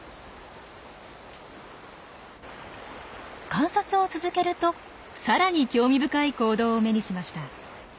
観察を続けるとさらに興味深い行動を目にしました。